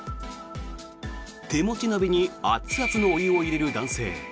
手持ち鍋に熱々のお湯を入れる男性。